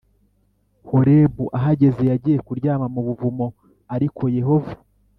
Horebu Ahageze yagiye kuryama mu buvumo Ariko Yehova